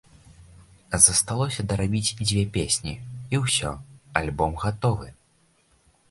Засталося дарабіць дзве песні, і ўсё, альбом гатовы!